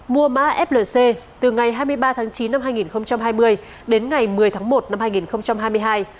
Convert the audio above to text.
mua mã flc từ ngày hai mươi ba tháng chín năm hai nghìn hai mươi đến ngày một mươi tháng một năm hai nghìn hai mươi hai